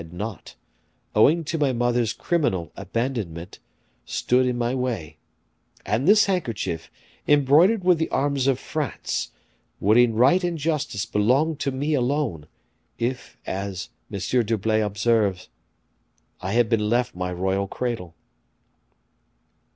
had not, owing to my mother's criminal abandonment, stood in my way; and this handkerchief, embroidered with the arms of France, would in right and justice belong to me alone, if, as M. d'Herblay observes, I had been left my royal cradle.